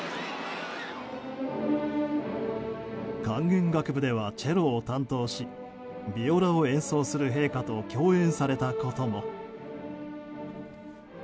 管弦楽部ではチェロを担当しビオラを演奏する陛下と共演されたことも。